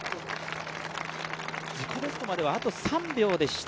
自己ベストまではあと３秒でした。